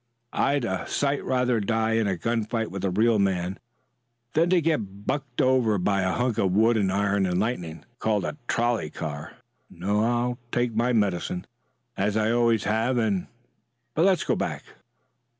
I'd a sight rather die in a gun fight with a real man than to get bucked over by a hunk of wood and iron and lightning, called a trolley car. No, I'll take my medicine, as I always have and But let's go back."